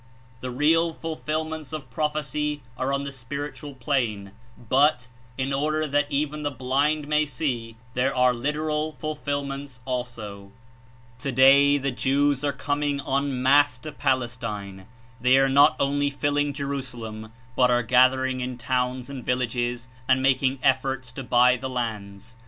The real fulfilments of prophecy are on the spiritual plane but, In order that even the blind may see, there are literal fulfilments also. Today the Jews are coming en masse to Palestine; The Burdens ^^^^^^^^.^ ^^y Jerusalem but of Prophecy ^..■', n are gathenng m towns and villages and making efforts to buy the lands.